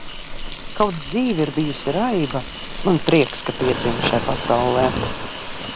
Kaut dzīve ir bijusi raiba, man prieks, ka piedzimu šai pasaulē!